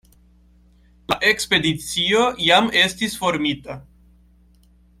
La ekspedicio jam estis formita.